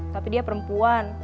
tapi dia perempuannya